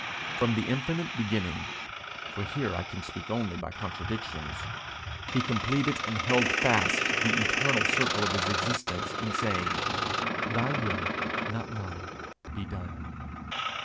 From the infinite beginning for here I can speak only by contradictions he completed and held fast the eternal circle of his existence in saying, 'Thy will, not mine, be done!'